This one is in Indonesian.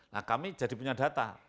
nah kami jadi punya data